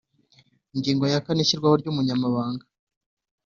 Ingingo ya kane Ishyirwaho ry’Umunyamabanga